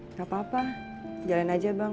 nggak apa apa jalan aja bang